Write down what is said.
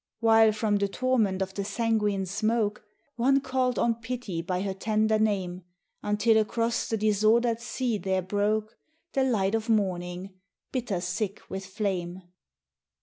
While from the torment of the sanguine smoke One called on Pity by her tender name, Until across the disordered sea there broke The light of morning, bitter sick with flame.